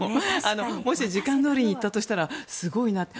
もし時間どおりにいったとしたらすごいなと。